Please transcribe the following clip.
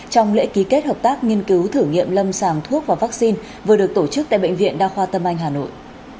trong lễ ký kết hợp tác nghiên cứu thử nghiệm lâm sàng thuốc và vaccine vừa được tổ chức tại bệnh viện đa khoa tâm anh hà nội